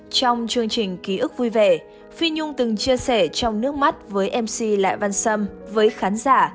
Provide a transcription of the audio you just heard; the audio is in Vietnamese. trong chương trình ký ức vui vẻ phi nhung từng chia sẻ trong nước mắt với mc lại văn sâm với khán giả